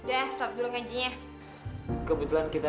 enggak harus deste